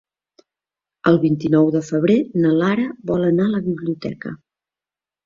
El vint-i-nou de febrer na Lara vol anar a la biblioteca.